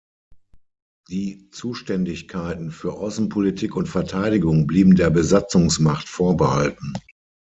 Die Zuständigkeiten für Außenpolitik und Verteidigung blieben der Besatzungsmacht vorbehalten.